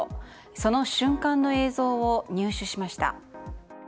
その瞬間の映像を入手しました。